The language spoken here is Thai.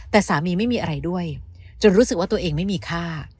แต่สามีไม่มีอะไรด้วยจนรู้สึกว่าตัวเองไม่มีค่า